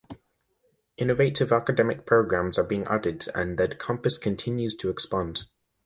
Innovative academic programs are being added and the campus continues to expand.